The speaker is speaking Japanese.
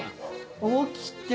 起きて！